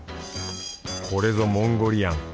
これぞモンゴリアン。